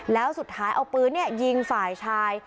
แล้วสุดท้ายเอาปืนยิงฝ่ายชาย